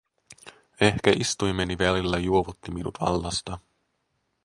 Ehkä istuimeni välillä juovutti minut vallasta.